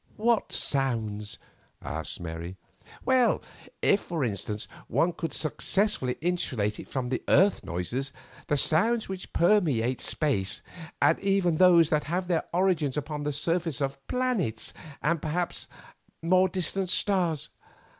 "What sounds?" asked Mary. "Well, if, for instance, one could successfully insulate it from the earth noises, the sounds which permeate space, and even those that have their origin upon the surfaces of the planets and perhaps of the more distant stars."